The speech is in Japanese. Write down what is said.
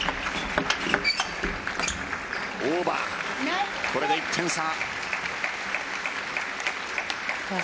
オーバー、これで１点差。